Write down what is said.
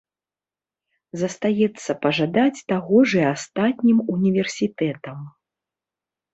Застаецца пажадаць таго ж і астатнім універсітэтам.